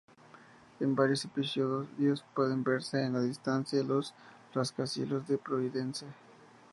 En varios episodios, pueden verse en la distancia los rascacielos de Providence.